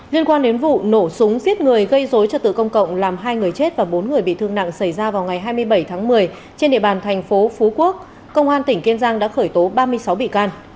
liên quan đến vụ nổ súng giết người gây dối trật tự công cộng làm hai người chết và bốn người bị thương nặng xảy ra vào ngày hai mươi bảy tháng một mươi trên địa bàn thành phố phú quốc công an tỉnh kiên giang đã khởi tố ba mươi sáu bị can